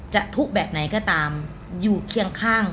ทุกข์แบบไหนก็ตามอยู่เคียงข้าง